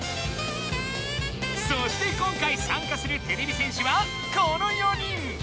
そして今回さんかするてれび戦士はこの４人！わ。